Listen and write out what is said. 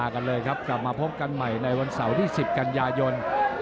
กลับมาพบกันใหม่ในวันเสาร์ที่๑๐กันยายน